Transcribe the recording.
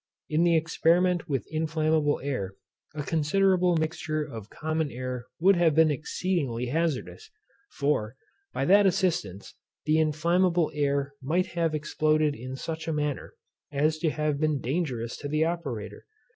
In the experiment with inflammable air a considerable mixture of common air would have been exceedingly hazardous: for, by that assistance, the inflammable air might have exploded in such a manner, as to have been dangerous to the operator.